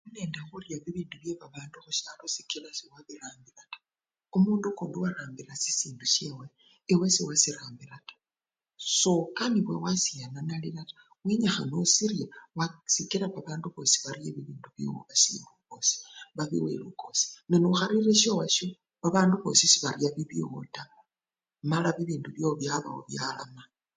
Olinende khurya bibindu byebabandu khusyalo sikila sewabirambila taa, omundu okundi niye wabirambila nesisindu syewe, ewe sewasirambila taa, sokanibwa wasiyenanalila taa, wenyikhana osirye wa! sikila babandu bosii barya bibindu byowo mala babiwa lukosi. Nenokharire syowasyo, abandu bosii sebarya bibyowo taa mala bibindu byowo byabawo byalama.